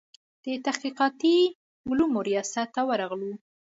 د تحقیقاتي علومو ریاست ته ورغلو.